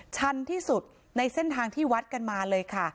ชันที่สุดในเส้นทางที่วัดกันมาเลยค่ะ